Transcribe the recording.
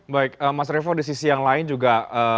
baik mas revo di sisi yang lain juga